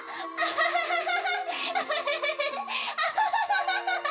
ハハハハ！